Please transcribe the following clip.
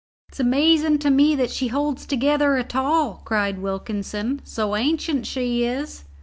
"It's amazin' to me that she holds together at all," cried Wilkinson, "so ancient she is!"